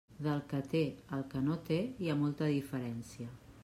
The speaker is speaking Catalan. Del que té al que no té hi ha molta diferència.